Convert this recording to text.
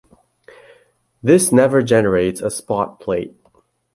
This never generates a spot plate.